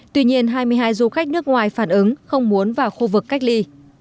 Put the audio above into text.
tuy nhiên hai mươi hai du khách nước ngoài phản ứng không muốn vào khu vực cách ly